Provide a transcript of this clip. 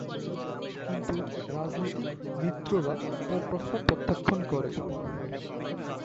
কিন্তু রাজনৈতিক মিত্ররা তার প্রস্তাব প্রত্যাখ্যান করে।